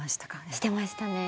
してましたね。